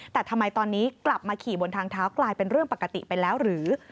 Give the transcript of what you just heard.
แต่ทำไมตอนนี้กลับมาขี่บนทางเท้ากลายเป็นเรื่องปกติไปแล้วหรือ